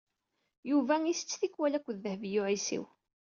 Yuba isett tikkwal akked Dehbiya u Ɛisiw.